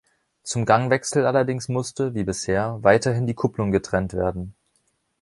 Zum Gangwechsel allerdings musste, wie bisher, weiterhin die Kupplung getrennt werden.